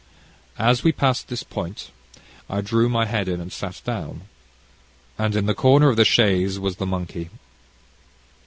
As we passed this point, I drew my head in and sat down, and in the corner of the chaise was the monkey.